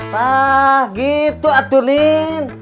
nah gitu atunin